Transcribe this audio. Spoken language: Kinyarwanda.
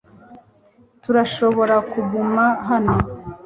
Turashobora kuguma hano .